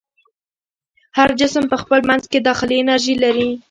هر جسم په خپل منځ کې داخلي انرژي لري.